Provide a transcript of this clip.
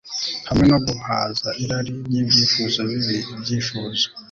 hamwe no guhaza irari ryibyifuzo bibi Ibyifuzo